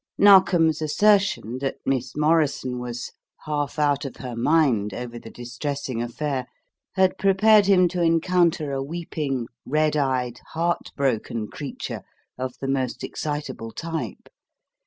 Narkom's assertion, that Miss Morrison was "half out of her mind over the distressing affair" had prepared him to encounter a weeping, red eyed, heart broken creature of the most excitable type.